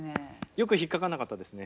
よく引っ掛かんなかったですね。